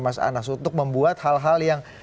mas anas untuk membuat hal hal yang